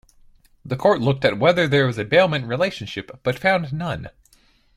The Court looked at whether there was a bailment relationship but found none.